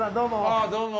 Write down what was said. ああどうも。